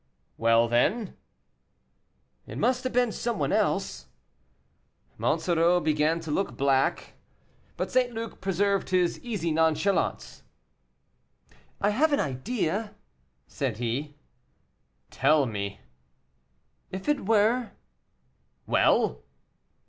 "Well, then " "It must have been some one else." Monsoreau began to look black, but St. Luc preserved his easy nonchalance. "I have an idea," said he. "Tell me." "If it were " "Well!"